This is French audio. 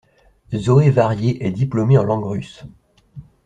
Zoé Varier est diplômée en langue russe.